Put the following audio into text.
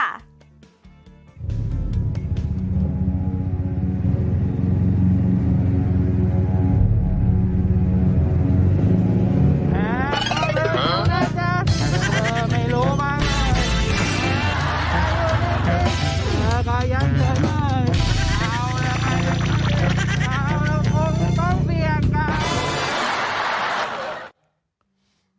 เธอไม่ลู้บ้างไหมฮือค่ะคิดว่าอย่างนี้ก็ยังได้ไหม